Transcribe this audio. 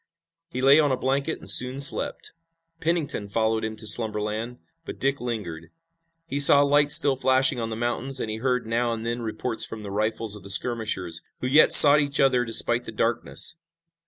He lay on a blanket and soon slept. Pennington followed him to slumberland, but Dick lingered. He saw lights still flashing on the mountains, and he heard now and then reports from the rifles of the skirmishers, who yet sought each other despite the darkness.